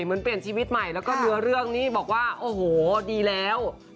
เหมือนเปลี่ยนชีวิตใหม่แล้วก็เนื้อเรื่องนี้บอกว่าโอ้โหดีแล้ว